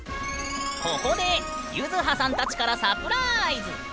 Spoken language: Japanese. ここでゆずはさんたちからサプラーイズ！